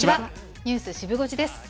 ニュースシブ５時です。